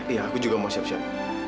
iya aku juga mau siap siap